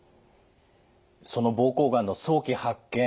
その膀胱がんの早期発見